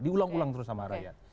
diulang ulang terus sama rakyat